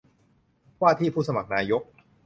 ว่าที่ผู้สมัครนายก